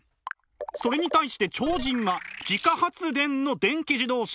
それに対して超人は自家発電の電気自動車。